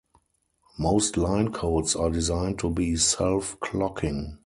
Most line codes are designed to be self-clocking.